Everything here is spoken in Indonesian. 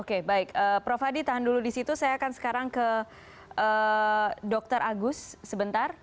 oke baik prof hadi tahan dulu di situ saya akan sekarang ke dr agus sebentar